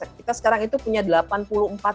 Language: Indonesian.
kita sekarang itu punya delapan puluh empat